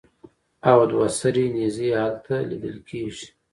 او دوه سرې نېزې هلته لیدلې کېږي.